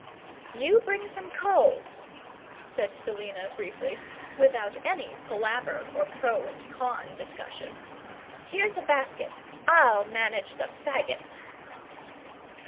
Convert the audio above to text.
"You bring some coals," said Selina briefly, without any palaver or pro and con discussion. "Here's a basket. I'LL manage the faggots!"